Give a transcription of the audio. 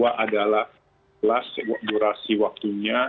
tiga kelas durasi waktunya